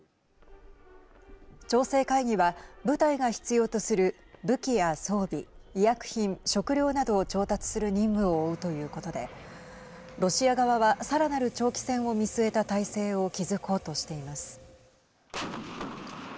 調整会議は部隊が必要とする武器や装備、医薬品食料などを調達する任務を負うということでロシア側はさらなる長期戦を見据えた体制を築こうとしています。